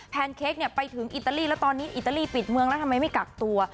เค้กเนี่ยไปถึงอิตาลีแล้วตอนนี้อิตาลีปิดเมืองแล้วทำไมไม่กักตัว